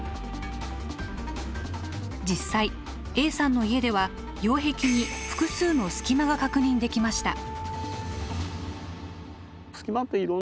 実際Ａさんの家では擁壁に複数の隙間が確認できました。